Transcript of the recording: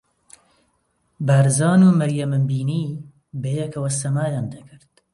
بارزان و مەریەمم بینی بەیەکەوە سەمایان دەکرد.